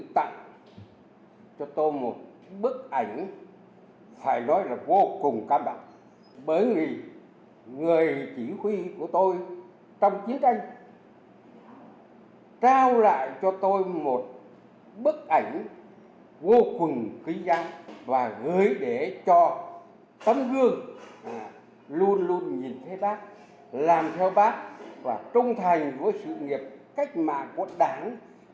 để cho tấm gương luôn luôn nhìn thấy bác làm theo bác và trung thành với sự nghiệp cách mạng của đảng